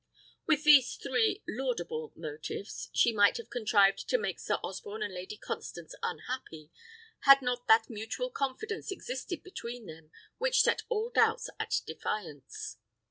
With these three laudable motives she might have contrived to make Sir Osborne and Lady Constance unhappy, had not that mutual confidence existed between them which set all doubts at defiance.